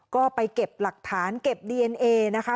ก็ไปเก็บหลักฐานเก็บดีเอนเอนะคะ